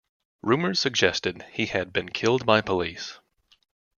Rumours suggested he had been killed by police.